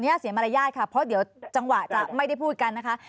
เสียมารยาทค่ะเพราะเดี๋ยวจังหวะจะไม่ได้พูดกันนะคะ